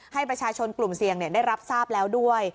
ให้ประชาชนกลุ่มเสี่ยงได้รับทราบแล้วด้วย